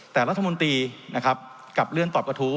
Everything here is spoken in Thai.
แต่รัฐมนตรีนะครับกลับเลื่อนตอบกระทู้